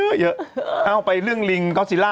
อุ่นจากเจ้าของ